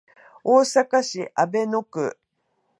大阪市阿倍野区